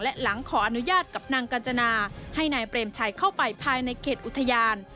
และหลังขออนุญาตกับนางกัญจนาให้นายเปรมชัยเข้าไปภายในเขตอุทยาน